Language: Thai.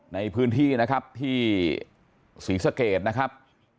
ในพื้นที่นะครับที่ศรีสะเกดนะครับ